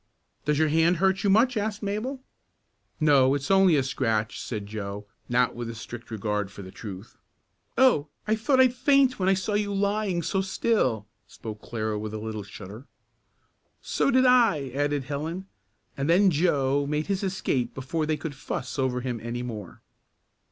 "Does your hand hurt you much?" asked Mabel. "No it's only a scratch," said Joe, not with a strict regard for the truth. "Oh, I thought I'd faint when I saw you lying there so still," spoke Clara with a little shudder. "So did I," added Helen, and then Joe made his escape before they could "fuss" over him any more.